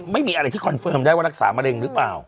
ไม่มีอะไรที่คอนเฟิร์มได้ว่ารักษามะเร็งหรือเปล่า